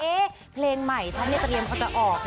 เอ๊ะเพลงใหม่ฉันเนี่ยเตรียมพอจะออกนะจ๊ะ